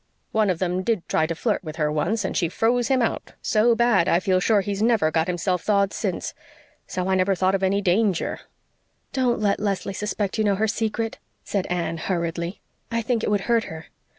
One of them did try to flirt with her once and she froze him out so bad, I feel sure he's never got himself thawed since. So I never thought of any danger." "Don't let Leslie suspect you know her secret," said Anne hurriedly. "I think it would hurt her."